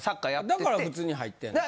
だから普通に入ってんの？